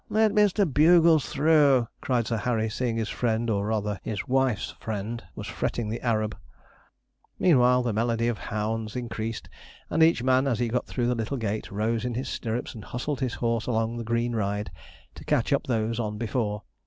'Let Mr. Bugles through,' cried Sir Harry, seeing his friend, or rather his wife's friend, was fretting the Arab. Meanwhile, the melody of hounds increased, and each man, as he got through the little gate, rose in his stirrups and hustled his horse along the green ride to catch up those on before.